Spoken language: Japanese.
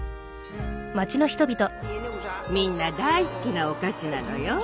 みんな大好きなお菓子なのよ。